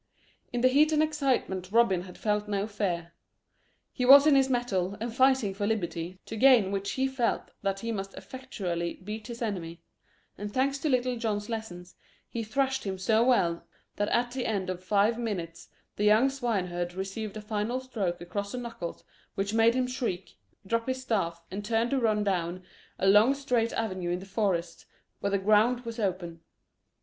In the heat and excitement Robin had felt no fear. He was on his mettle, and fighting for liberty, to gain which he felt that he must effectually beat his enemy; and thanks to Little John's lessons he thrashed him so well that at the end of five minutes the young swine herd received a final stroke across the knuckles which made him shriek, drop his staff, and turn to run down a long straight avenue in the forest where the ground was open.